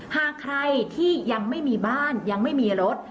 หากใครที่ยังไม่มีบ้านยังไม่มีรถ